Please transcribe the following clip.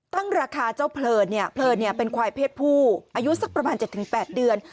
ตั้งราคาเจ้าเพลินเนี่ยเพลินเป็นควายเพศผู้อายุสักประมาณ๗๘เดือน